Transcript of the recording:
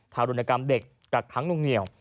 ทารุณกรรมเด็กกักค้างนุ่งเหนียว